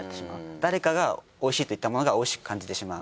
誰かがおいしいと言ったものがおいしく感じてしまう。